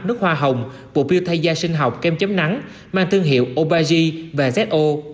nước hoa hồng bộ biểu thay da sinh học kem chấm nắng mang thương hiệu obagi và zo